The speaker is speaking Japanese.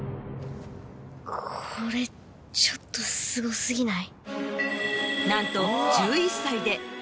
これちょっとすご過ぎない？